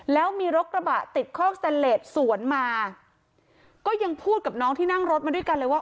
แล้วมีรถกระบะติดคอกสแตนเลสสวนมาก็ยังพูดกับน้องที่นั่งรถมาด้วยกันเลยว่า